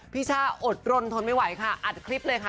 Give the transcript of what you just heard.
ช่าอดรนทนไม่ไหวค่ะอัดคลิปเลยค่ะ